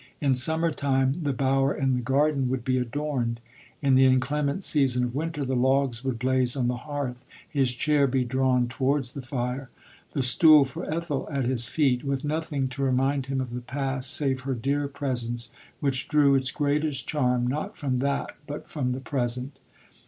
In summer time, the bower in the garden would be adorned ; in the in clement season of winter the logs would blaze on the hearth, his chair be drawn towards the fire, the stool for Ethel at his feet, with nothing to remind him of the past, save her dear presence, which drew its greatest charm, not from that, but from the present.